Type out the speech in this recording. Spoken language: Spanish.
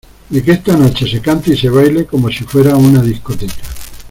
de que esta noche se cante y se baile como si fuera una discoteca.